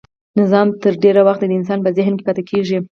نظم تر ډېر وخت د انسان په ذهن کې پاتې کیږي.